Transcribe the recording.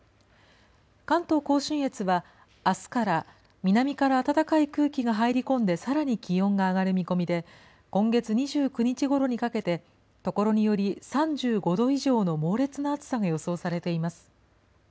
関東甲信越は、あすから、南から暖かい空気が入り込んで、さらに気温が上がる見込みで、今月２９日ごろにかけて所により３５度以上の猛烈な暑さが予想されています。